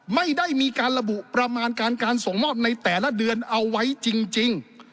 ไม่ได้มีการระบุประมาณการการส่งมอบในแต่ละเดือนเอาไว้จริง